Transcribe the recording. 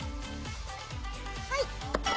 はい。